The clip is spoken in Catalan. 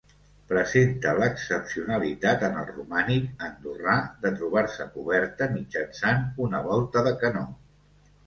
Presenta l'excepcionalitat en el romànic andorrà de trobar-se coberta mitjançant una volta de canó.